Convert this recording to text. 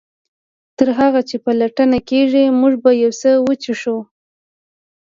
تر هغه چې پلټنه کیږي موږ به یو څه وڅښو